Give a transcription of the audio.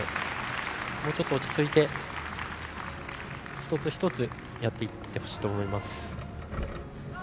もうちょっと落ち着いて一つ一つやっていってほしいと思います。